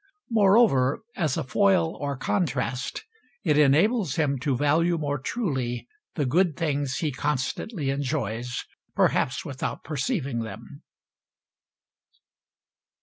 Moreover as a foil or contrast it enables him to value more truly the good things he constantly enjoys, perhaps without perceiving them.